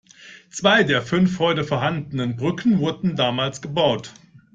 Zwei der fünf heute vorhandenen Brücken wurden damals gebaut.